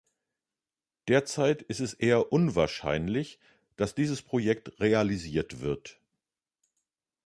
Derzeit ist es eher unwahrscheinlich, dass dieses Projekt realisiert wird.